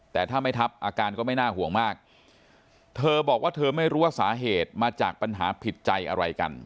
แต่ถ้าไม่ทับอาการก็ไม่น่าห่วงมากเธอบอกว่าเธอไม่รู้ว่าสาเหตุมาจากปัญหาผิดใจอะไรกัน